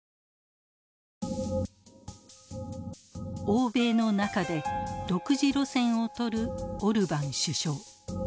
欧米の中で独自路線をとるオルバン首相。